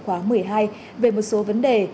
khóa một mươi hai về một số vấn đề